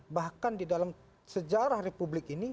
bahkan di dalam sejarah republik ini